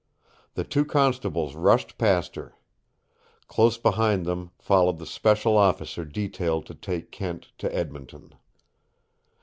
The two constables rushed past her. Close behind them followed the special officer detailed to take Kent to Edmonton.